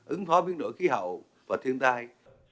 ứng phó biên đội khí hậu và thiên tai